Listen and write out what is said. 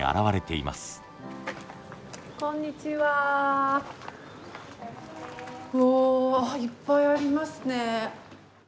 おいっぱいありますね。